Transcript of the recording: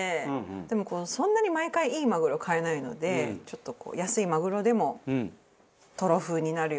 でもそんなに毎回いいマグロ買えないのでちょっと安いマグロでもトロ風になるように工夫して。